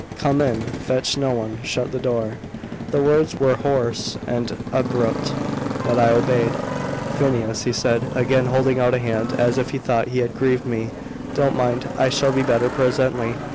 "Come in. Fetch no one. Shut the door." The words were hoarse and abrupt, but I obeyed. "Phineas," he said, again holding out a hand, as if he thought he had grieved me; "don't mind. I shall be better presently.